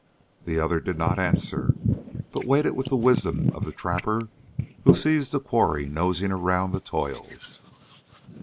The other did not answer, but waited with the wisdom of the trapper who sees the quarry nosing round the toils.